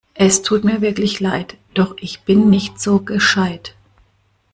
Es tut mir wirklich leid, doch ich bin nicht so gescheit!